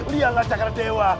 lihatlah cakra dewa